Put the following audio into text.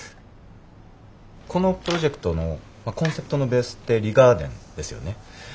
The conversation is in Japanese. このプロジェクトのコンセプトのベースってリガーデンですよね。